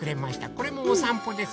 これもおさんぽです。